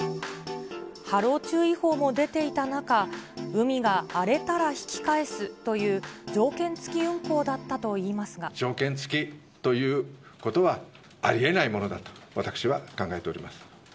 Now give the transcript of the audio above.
波浪注意報も出ていた中、海が荒れたら引き返すという、条件付きということはありえないものだと、私は考えております。